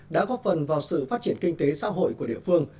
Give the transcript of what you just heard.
đã góp phần vào sự phát triển kinh tế xã hội của địa phương